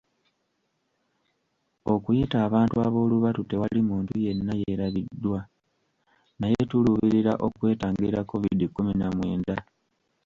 Okuyita abantu ab’olubatu tewali muntu yenna yeerabiddwa naye tuluubirira okwetangira COVID kkumi na mwenda.